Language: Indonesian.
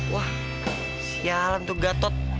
wah sialan tuh gatot